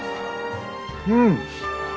うん！